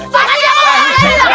pak pasti gak mau kabur